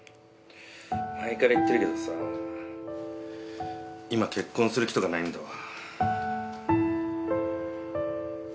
前から言ってるけどさ今結婚とかする気とかないんだわ。